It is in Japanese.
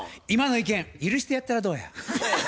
今の意見許してやったらどうや。